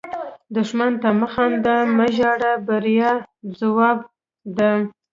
دښمن ته مه خاندئ، مه وژاړئ – بریا یې ځواب ده